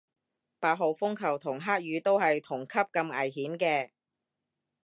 八號風球同黑雨都係同級咁危險嘅